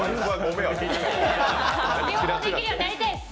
両方できるようになりたいです。